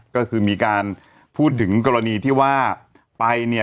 ก็คือมีการพูดถึงกรณีที่ว่าไปเนี่ย